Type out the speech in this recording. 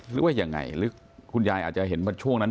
หรือว่ายังไงหรือคุณยายอาจจะเห็นว่าช่วงนั้น